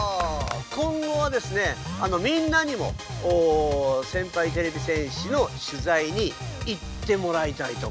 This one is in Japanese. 今後はですねあのみんなにも先輩てれび戦士のしゅざいに行ってもらいたいと思います。